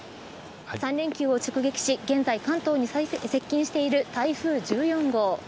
３連休を直撃し現在、関東に接近している台風１４号。